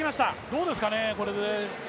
どうですかね